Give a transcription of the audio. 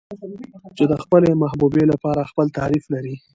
چې د خپلې محبوبې لپاره خپل تعريف لري.